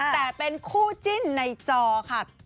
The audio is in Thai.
แต่เป็นคู่จิ้นในจอค่ะ